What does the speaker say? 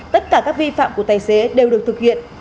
tất cả các vi phạm của tài xế đều được thực hiện